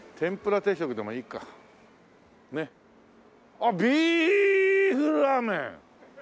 あっ「ビーフラーメン」！